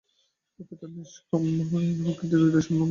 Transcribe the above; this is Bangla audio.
প্রকৃত নিষ্কাম কর্মী পশুবৎ জড়প্রকৃতি বা হৃদয়শূন্য নহেন।